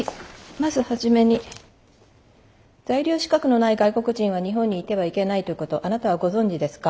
まず初めに在留資格のない外国人は日本にいてはいけないということあなたはご存じですか？